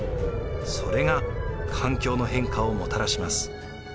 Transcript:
それが環境の変化をもたらします。